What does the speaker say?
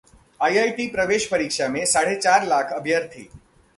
IIT प्रवेश परीक्षा में साढ़े चार लाख अभ्यर्थी